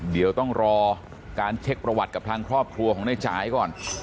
เดี๋ยวต้องรอการเช็คประวัติกับทางครอบครัวของในจ่ายก่อน